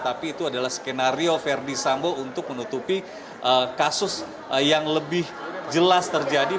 tapi itu adalah skenario verdi sambo untuk menutupi kasus yang lebih jelas terjadi